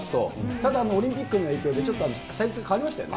ただ、オリンピックの影響で、ちょっと祭日、変わりましたよね。